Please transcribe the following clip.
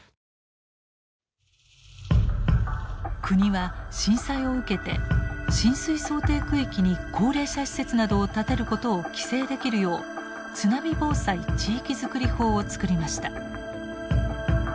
国は震災を受けて浸水想定区域に高齢者施設などを建てることを規制できるよう「津波防災地域づくり法」を作りました。